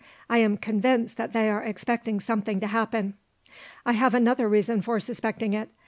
I am convinced that they are expecting something to happen. "I have another reason for suspecting it.